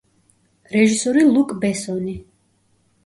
რეჟისორი ლუკ ბესონი.